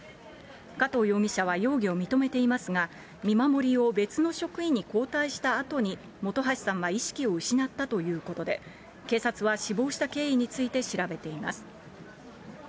加藤容疑者は容疑を認めていますが、見守りを別の職員に交代したあとに本橋さんは意識を失ったということで、警察は、死亡した経緯について調べています。